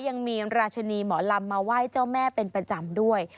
ยังมีราชินีหมอลำมาไหว้เจ้าแม่เป็นประจำด้วย